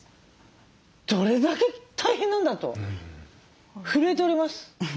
どれだけ大変なんだと震えております。